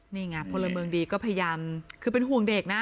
นี่ไงพลเมืองดีก็พยายามคือเป็นห่วงเด็กนะ